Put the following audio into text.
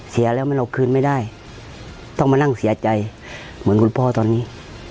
เสียแล้วเราคืนไม่ได้ต้องมานั่งเสียใจเหมือนคุณพ่อตอนนี้